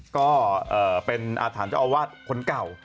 ก็เป็นอาถรรพ์เจ้าอาวาสคนเก่า